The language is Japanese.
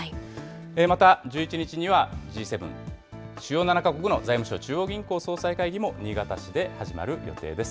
また１１日には、Ｇ７・主要７か国の財務相・中央銀行総裁会議も新潟市で始まる予定です。